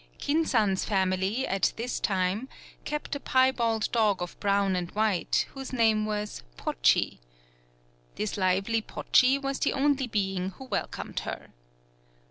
Kin san's family, at this time, kept a piebald dog of brown and white, whose name was Pochi. This lively Pochi was the only being who welcomed her.